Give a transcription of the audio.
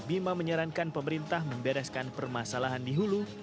bima menyarankan pemerintah membereskan permasalahan di hulu